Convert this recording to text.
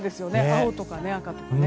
青とか赤とかね。